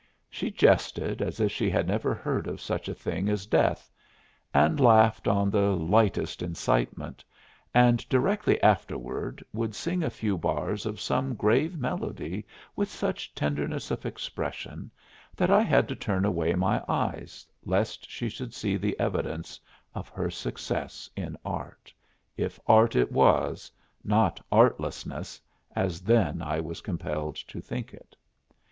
She jested as if she had never heard of such a thing as death, and laughed on the lightest incitement, and directly afterward would sing a few bars of some grave melody with such tenderness of expression that I had to turn away my eyes lest she should see the evidence of her success in art, if art it was, not artlessness, as then I was compelled to think it.